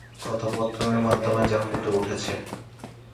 কথোপকথনের মাধ্যমে তা ফুটে উঠেছে।